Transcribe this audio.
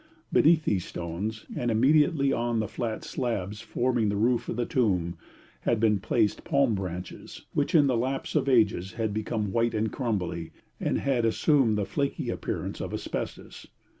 Beneath these stones, and immediately on the flat slabs forming the roof of the tomb, had been placed palm branches, which in the lapse of ages had become white and crumbly, and had assumed the flaky appearance of asbestos.